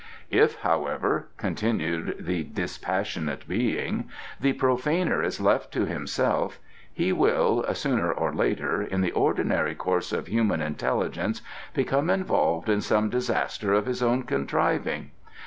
"If, however," continued the dispassionate Being, "the profaner is left to himself he will, sooner or later, in the ordinary course of human intelligence, become involved in some disaster of his own contriving.